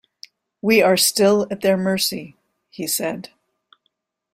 "We are still at their mercy," he said.